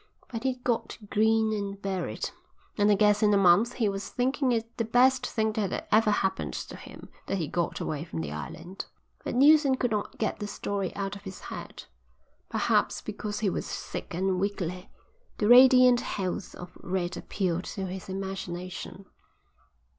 But he'd got to grin and bear it, and I guess in a month he was thinking it the best thing that had ever happened to him that he got away from the island." But Neilson could not get the story out of his head. Perhaps because he was sick and weakly, the radiant health of Red appealed to his imagination.